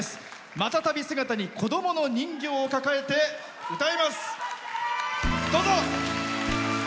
股旅姿に子供の人形を抱えて歌います。